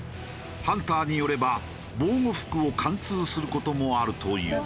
ハンターによれば防護服を貫通する事もあるという。